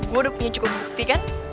gue udah punya cukup bukti kan